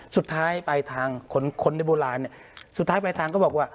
สุดท้ายปลายทางคนในโบราณสุดท้ายปลายทางก็บอกว่า